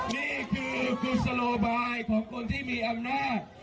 นี่คือกุศโลบายของคนที่มีอำนาจ